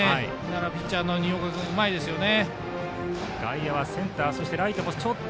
ピッチャーの新岡君うまいですね。